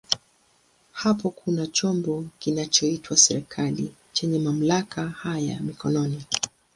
Hapo kuna chombo kinachoitwa serikali chenye mamlaka haya mkononi.